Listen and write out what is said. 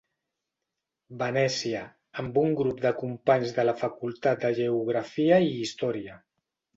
Venècia, amb un grup de companys de la facultat de geografia i història.